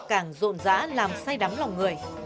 càng rộn rã làm say đắm lòng người